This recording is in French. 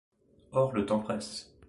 Or le temps presse.